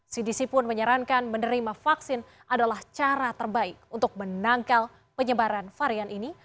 cdc pun menyarankan menerima vaksin adalah cara terbaik untuk menangkal penyebaran varian ini